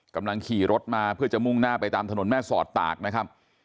กำลังขี่รถมาเพื่อจะมุ่งหน้าไปตามถนนแม่สอดตากนะครับ